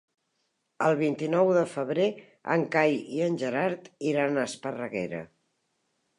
El vint-i-nou de febrer en Cai i en Gerard iran a Esparreguera.